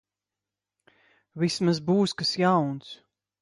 Vismaz būs kas jauns.